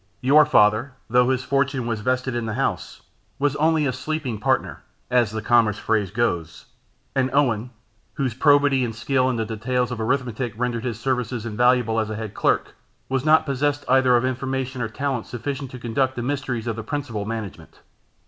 Your father, though his fortune was vested in the house, was only a sleeping partner, as the commercial phrase goes; and Owen, whose probity and skill in the details of arithmetic rendered his services invaluable as a head clerk, was not possessed either of information or talents sufficient to conduct the mysteries of the principal management.